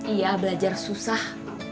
iya belajar susah